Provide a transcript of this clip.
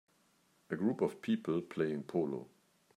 A group of people playing polo.